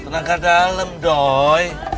gak dalam doi